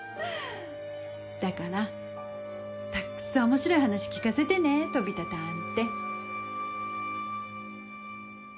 だからたくさん面白い話聞かせてね飛田探偵。